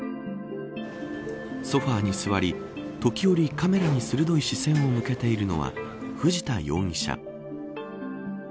ソファに座り時折カメラに鋭い視線を向けているのは藤田容疑者。